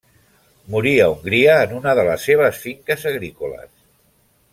Morí a Hongria en una de les seves finques agrícoles.